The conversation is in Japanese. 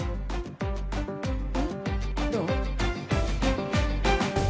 どう？